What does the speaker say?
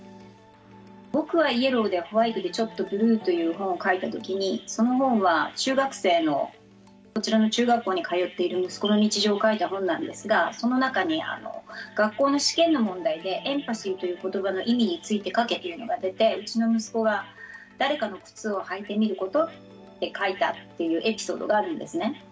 「ぼくはイエローでホワイトで、ちょっとブルー」という本を書いたときにその本は中学生のこちらの中学校に通っている息子の日常を書いた本なんですがその中に学校の試験の問題で「エンパシー」ということばの意味について書けというのが出てうちの息子が「誰かの靴を履いてみること」って書いたというエピソードがあるんですね。